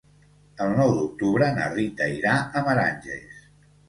El nou d'octubre na Rita irà a Meranges.